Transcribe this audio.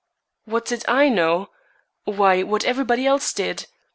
"What did I know? Why, what everybody else did.